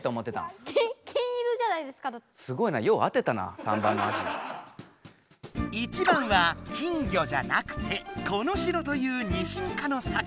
すごいな１番は金魚じゃなくて「このしろ」というニシン科の魚。